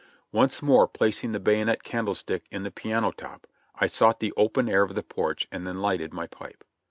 Once more placing the bayonet candlestick in the piano top, I sought the open air of the porch and then lighted my pipe.